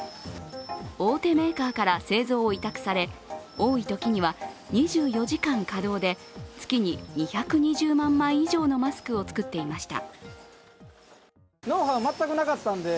大手メーカーから製造を委託され、多いときには２４時間稼働で月に２２０万枚以上のマスクを作っていました。